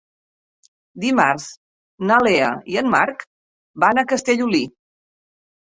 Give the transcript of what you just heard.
Dimarts na Lea i en Marc van a Castellolí.